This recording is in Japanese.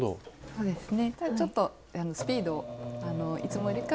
そうですね。